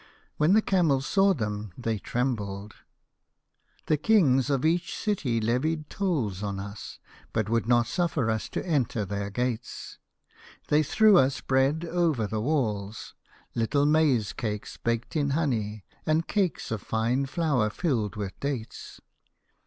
When the camels saw them they trembled. N 89 A HoiLse of Pomegranates. " The kings of each city levied tolls on us, but would not suffer us to enter their gates. They threw us bread over the walls, little maize cakes baked in honey and cakes of fine flour filled with dates.